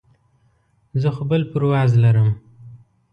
زه خو بل پرواز لرم.